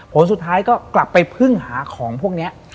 ผลสุดท้ายก็กลับไปพึ่งหาของพวกนี้